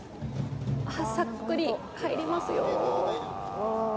さっくり入りますよ。